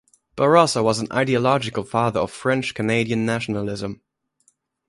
Bourassa was an ideological father of French-Canadian nationalism.